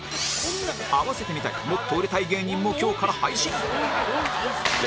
併せて見たいもっと売れたい芸人も今日から配信